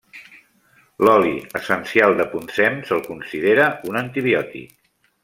L'oli essencial de poncem se'l considera un antibiòtic.